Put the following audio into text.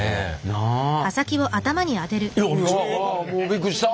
なあ。いやびっくりした。